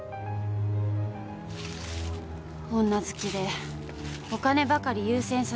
女好きでお金ばかり優先させる野心家。